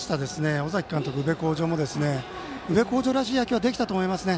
尾崎監督でしたけれども宇部鴻城らしい野球はできたと思いますね。